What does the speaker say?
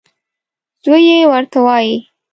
زوی یې ورته وايي .